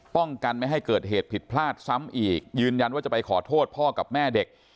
ป้องกันไม่ให้เกิดเหตุผิดพลาดซ้ำอีกยืนยันว่าจะไปขอโทษพ่อกับแม่เด็ก